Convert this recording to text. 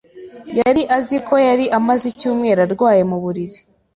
Yari azi ko yari amaze icyumweru arwaye mu buriri.